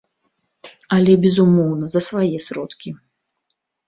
Але, безумоўна, за свае сродкі.